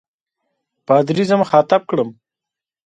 پادري زه مخاطب کړم.